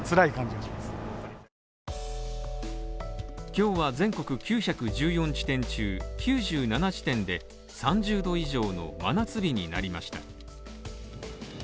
今日は全国９１４地点中９７地点で３０℃以上の真夏日になりました。